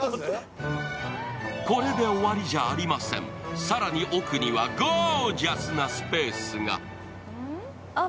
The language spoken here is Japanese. これで終わりじゃありません更に奥にはゴージャスなスペースが。